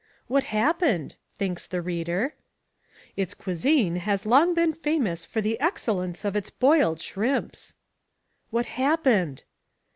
"What happened?" thinks the reader. "Its cuisine has long been famous for the excellence of its boiled shrimps." "What happened?"